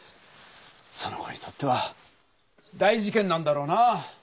その子にとっては大事けんなんだろうな。